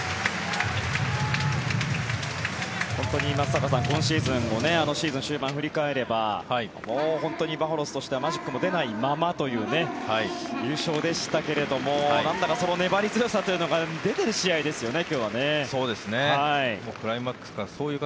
本当に松坂さん、今シーズンをシーズン終盤を振り返ればもう本当にバファローズとしてはマジックも出ないままという優勝でしたけどもその粘り強さというのが出てる試合ですよね。